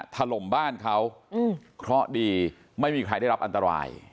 ถล่มบ้านเขาเคราะห์ดีไม่มีใครได้รับอันตราย